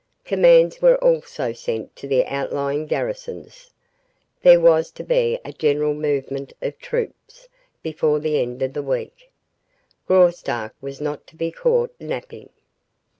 Commands were also sent to the outlying garrisons. There was to be a general movement of troops before the end of the week. Graustark was not to be caught napping.